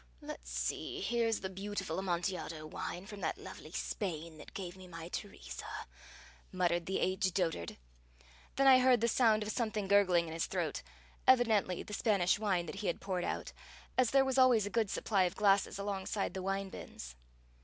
"Let's see: Here's the beautiful Amontillado wine from that lovely Spain that gave me my Teresa," muttered the aged dotard. Then I heard the sound of something gurgling in his throat, evidently the Spanish wine that he had poured out, as there was always a good supply of glasses alongside the wine bins.